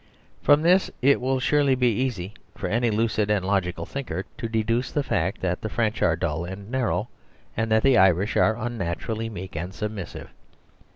From this it will surely be easy, for any lucid and logical thinker, to deduce the fact that the French are dull and narrow, and that the Irish are unnaturally meek and submissive.